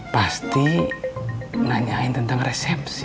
pasti nanyain tentang resepsi